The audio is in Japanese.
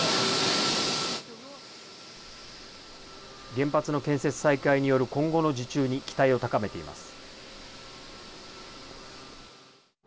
原発の建設再開による今後の受注に期待を高めています。